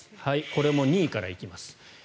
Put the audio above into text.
これも２位から行きます。